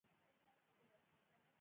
مایکروبیولوژي د کوچنیو ژویو پوهنه ده